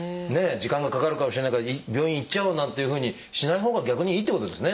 「時間がかかるかもしれないから病院行っちゃおう」なんていうふうにしないほうが逆にいいってことですね？